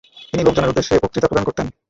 তিনি লোকজনের উদ্দেশে বক্তৃতা প্রদান করতেন।